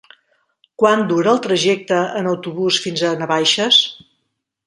Quant dura el trajecte en autobús fins a Navaixes?